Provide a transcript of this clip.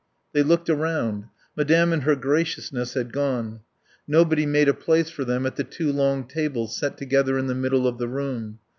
They looked around. Madame and her graciousness had gone. Nobody made a place for them at the two long tables set together in the middle of the room.